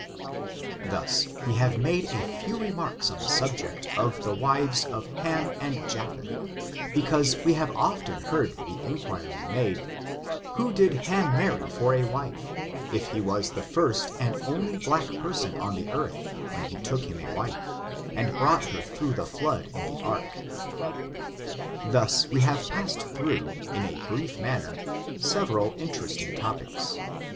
Thus we have made a few remarks on the subject of the wives of Ham and Japheth, because we have often heard the inquiry made, who did Ham marry for a wife, if he was the first and only black person on the earth when he took him a wife, and brought her through the flood in the ark? Thus we have passed through, in a brief manner, several interesting topics.